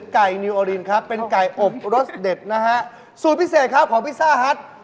ไก่นิโอรีนเป็นไก่อบรสเต็ดสูตรพิเศษของพิซซ่าฮัต